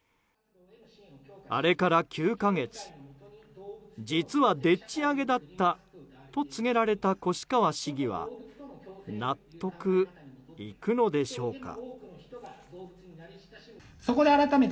あれから９か月実はでっち上げだったと告げられた越川市議は納得いくのでしょうか。